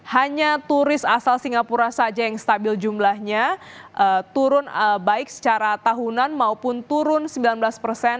hanya turis asal singapura saja yang stabil jumlahnya turun baik secara tahunan maupun turun sembilan belas persen